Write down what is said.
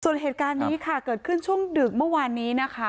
ส่วนเหตุการณ์นี้ค่ะเกิดขึ้นช่วงดึกเมื่อวานนี้นะคะ